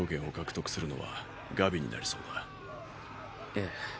ええ。